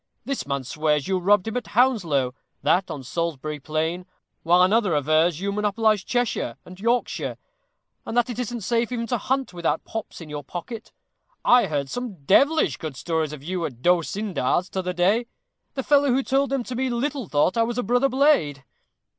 This man swears you robbed him at Hounslow; that on Salisbury Plain; while another avers you monopolize Cheshire and Yorkshire, and that it isn't safe even to hunt without pops in your pocket. I heard some devilish good stories of you at D'Osyndar's t'other day; the fellow who told them to me little thought I was a brother blade."